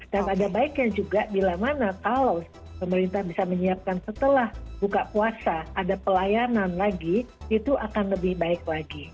dan ada baiknya juga bila mana kalau pemerintah bisa menyiapkan setelah buka puasa ada pelayanan lagi itu akan lebih baik lagi